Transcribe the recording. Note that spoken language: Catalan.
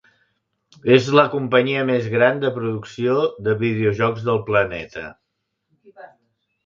És la companyia més gran de producció de videojocs del planeta.